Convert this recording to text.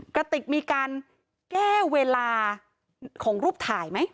กระติกมีการแก้เวลาของรูปถ่ายไหม